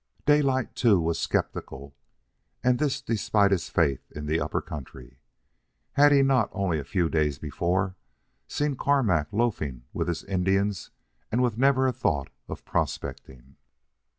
Daylight, too, was sceptical, and this despite his faith in the Upper Country. Had he not, only a few days before, seen Carmack loafing with his Indians and with never a thought of prospecting?